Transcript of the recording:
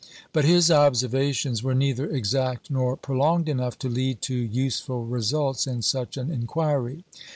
But his observations were neither exact nor prolonged enough to lead to useful results in such an inquiry.